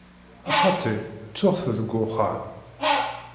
Xaṭi, ttuɣ-t deg uxxam.